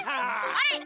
あれ？